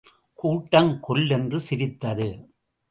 கூட்டம் கொல் என்று சிரித்தது.